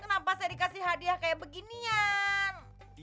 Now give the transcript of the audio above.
kenapa saya dikasih hadiah kayak beginian